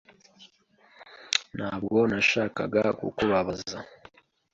Ntabwo nashakaga kukubabaza.